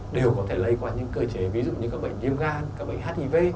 đều có thể lây qua những cơ chế ví dụ như các bệnh yêu gan các bệnh hiv